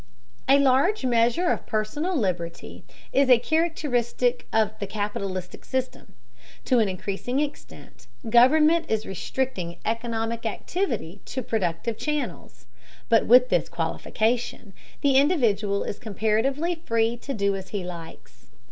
A large measure of personal liberty is a characteristic of the capitalistic system, To an increasing extent, government is restricting economic activity to productive channels, but with this qualification, the individual is comparatively free to do as he likes.